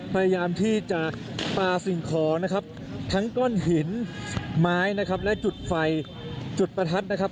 พยายามที่จะปลาสิ่งของนะครับทั้งก้อนหินไม้นะครับและจุดไฟจุดประทัดนะครับ